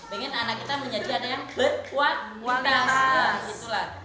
minta anak kita menjadi anak yang berkuat keras